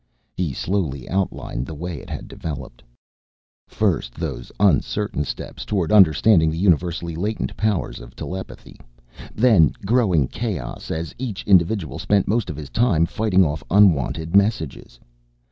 He slowly outlined the way it had developed. First those uncertain steps toward understanding the universally latent powers of telepathy, then growing chaos as each individual spent most of his time fighting off unwanted messages.